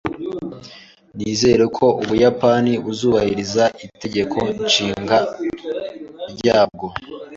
Nizere ko Ubuyapani buzubahiriza Itegeko Nshinga ryabwo.